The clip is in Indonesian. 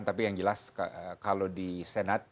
tapi yang jelas kalau di senat